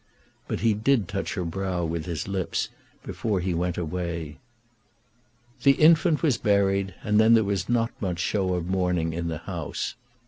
But he did touch her brow with his lips before he went away. The infant was buried, and then there was not much show of mourning in the house.